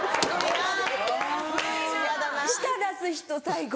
舌出す人最後。